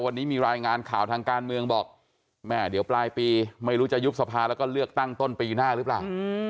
วันนี้มีรายงานข่าวทางการเมืองบอกแม่เดี๋ยวปลายปีไม่รู้จะยุบสภาแล้วก็เลือกตั้งต้นปีหน้าหรือเปล่า